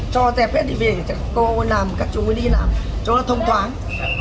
các cô làm các chú mới đi làm chỗ là thông thoáng